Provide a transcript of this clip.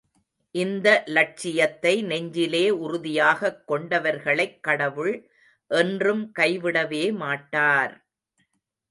இந்த லட்சியத்தை நெஞ்சிலே உறுதியாகக் கொண்டவர்களைக் கடவுள் என்றும் கைவிடவே மாட்டார்!